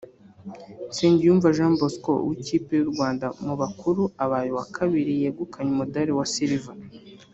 Nsengiyumva Jean Bosco w’ikipe y’u Rwanda mu bakuru abaye uwa kabiri yegukana umudari wa Silver